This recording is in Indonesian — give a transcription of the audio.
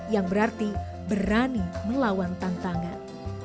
yang berarti berani melawan tantangan